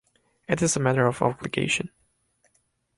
It is a matter of obligation.